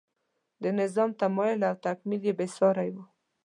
د نظام تمایل او تکمیل بې سارۍ و.